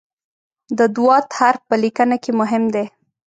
د "ض" حرف په لیکنه کې مهم دی.